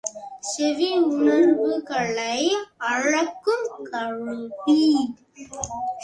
செவியுணர்வுகளை அளக்குங் கருவி.